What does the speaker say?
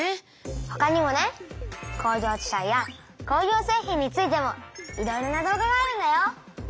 ほかにもね工業地帯や工業製品についてもいろいろな動画があるんだよ。